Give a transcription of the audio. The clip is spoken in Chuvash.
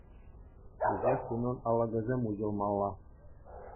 Кӗҫех унӑн алӑкӗсем уҫӑлмалла.